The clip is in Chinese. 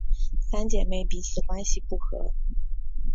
三姐妹彼此关系不和。